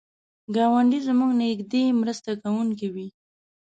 ګاونډی زموږ نږدې مرسته کوونکی وي